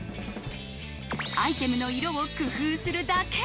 アイテムの色を工夫するだけ。